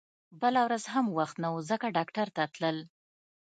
بله ورځ هم وخت نه و ځکه ډاکټر ته تلل